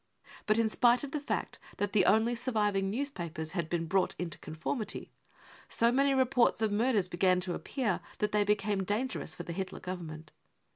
But in spite of the fact that the only surviving newspapers had been C£ brought into conformity, 55 so many reports of murders began to appear that they became dangerous for the Hitler Government.